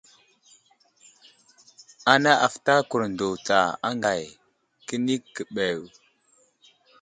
Ana nəfətay kurndo tsa aŋgay kəni keɓew.